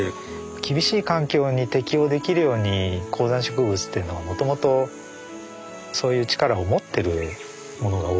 厳しい環境に適応できるように高山植物っていうのはもともとそういう力を持ってるものが多いんでこの力強さかな。